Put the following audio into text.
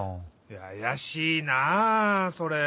あやしいなあそれ。